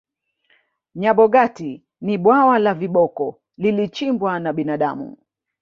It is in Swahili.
nyabogati ni bwawa la viboko lilichimbwa na binadamu